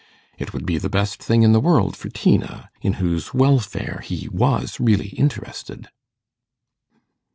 It would be the best thing in the world for Tina, in whose welfare he was really interested.